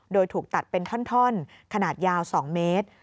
โดยถูกตัดเป็นท่อนขนาดยาว๒เมตร